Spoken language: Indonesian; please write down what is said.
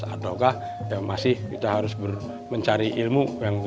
ataukah kita masih harus mencari ilmu